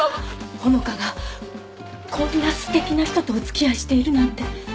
穂香がこんなすてきな人とお付き合いしているなんて。